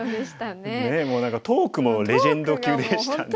ねえもう何かトークもレジェンド級でしたね。